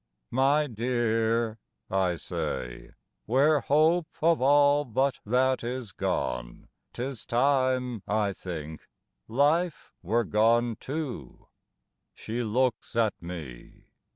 "My dear," I say, "where hope of all but that Is gone, 'tis time, I think, life were gone too." She looks at me.